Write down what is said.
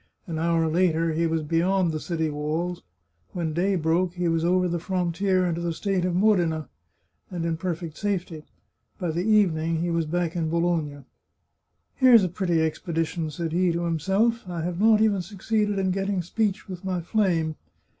An hour later he was beyond the city walls ; when day broke he was over the frontier into the state of Modena, and in perfect safety; by the evening he was back in Bologna. " Here's a pretty expedition !" said he to himself. " I have not even succeeded in getting speech with my flame."